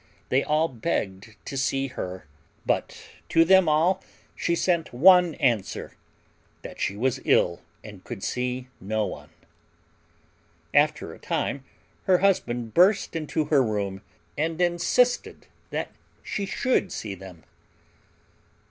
They all begged to see her, but to them all she sent one answer that she was ill and could see no one. After a time her husband burst into her room, and insisted that she should see them.